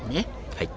はい。